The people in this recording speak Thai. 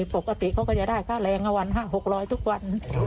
ปกติเขาก็จะได้ค่าแรงวัน๕๖๐๐ทุกวัน